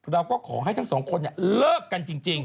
เราก็ขอให้ทั้งสองคนเลิกกันจริง